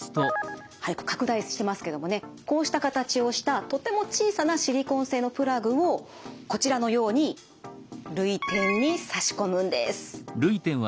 拡大してますけどもねこうした形をしたとても小さなシリコン製のプラグをこちらのように涙点に差し込むんです。